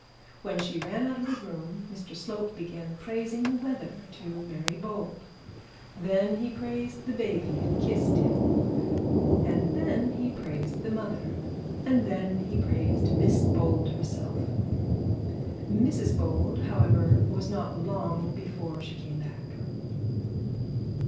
When she ran out of the room, Mr Slope began praising the weather to Mary Bold, then he praised the baby and kissed him, and then he praised the mother, and then he praised Miss Bold herself. Mrs Bold, however, was not long before she came back.